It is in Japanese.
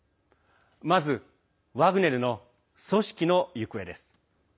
まず、ワグネルの組織の行方です。